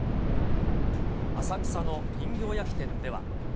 浅草の人形焼き店では。